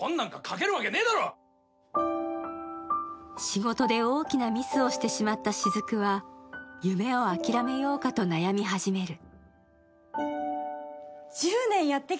仕事で大きなミスをしてしまった雫は、夢をあきらめようかと悩み始める。